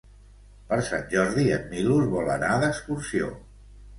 Per Sant Jordi en Milos vol anar d'excursió.